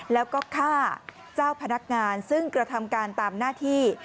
แล้วก็ฆ่าเจ้าพนักงานซึ่งกระทำการตามหน้าที่